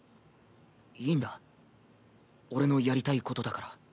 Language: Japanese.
いいんだ俺のやりたいことだから。